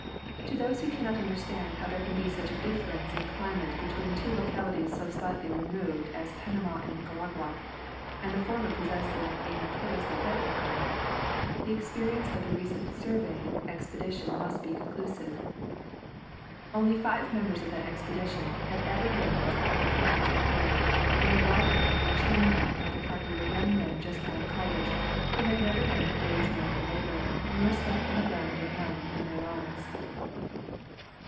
To those who cannot understand how there can be such a difference in climate between two localities so slightly removed as Panama and Nicaragua, and the former possessing a notori ously deadly climate, the experience of the recent surveying ex pedition must be conclusive. Only five members of that expedition had ever been in tropi cal climates before, and the rod men and chainmen of the party were young men just out of college who had never done a day's manual labor, nor slept on the ground a night in their lives.